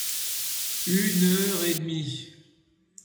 Une heure et demie.